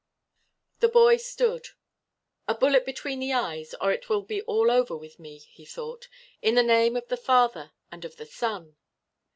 The boy stood. "A bullet between the eyes, or it will be all over with me," he thought. "In the name of the Father and of the Son